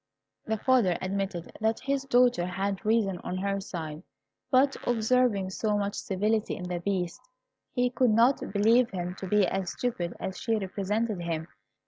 The father admitted that his daughter had reason on her side, but observing so much civility in the Beast, he could not believe him to be as stupid as she represented him.